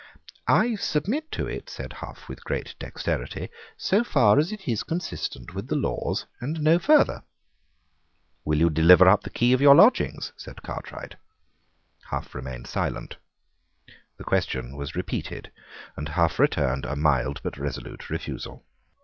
"I submit to it," said Hough with great dexterity, "so far as it is consistent with the laws, and no farther." "Will you deliver up the key of your lodgings?" said Cartwright. Hough remained silent. The question was repeated; and Hough returned a mild but resolute refusal.